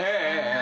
何？